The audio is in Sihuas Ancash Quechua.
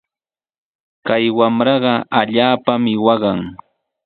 Kay wamraqa allaapami waqan.